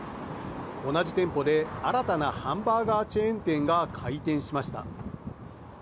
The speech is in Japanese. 同じ店舗で新たなハンバーガーチェーン店が開店しました。